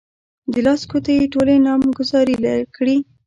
د لاس ګوتې يې ټولې نامګذاري کړې.